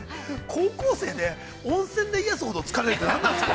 高校生で温泉でいやすほど疲れるって何なんですか。